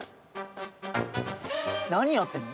何やってるの？